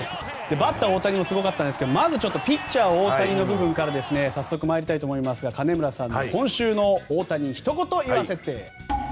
バッター・大谷もすごかったんですけどまずピッチャー・大谷の部分から参りたいと思いますが金村さんの今週の大谷ひと言言わせて！